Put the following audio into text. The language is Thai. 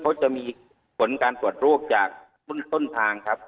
เขาจะมีผลการตรวจโรคจากรุ่นต้นทางครับ